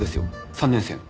３年生の。